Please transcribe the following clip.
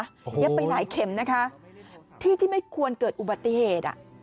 เย็บไปหลายเข็มนะคะที่ที่ไม่ควรเกิดอุบัติเหตุ